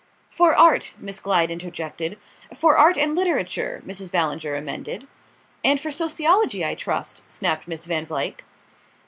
"For art " Miss Glyde interjected. "For art and literature," Mrs. Ballinger emended. "And for sociology, I trust," snapped Miss Van Vluyck.